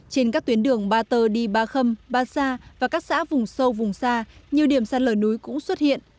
trên các tuyến đường ba tơ đi ba khâm ba sa và các xã vùng sâu vùng xa nhiều điểm sạt lở núi cũng xuất hiện